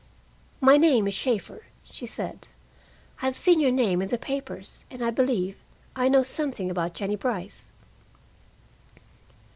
"My name is Shaeffer," she said. "I've seen your name in the papers, and I believe I know something about Jennie Brice."